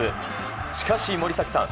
しかし、森崎さん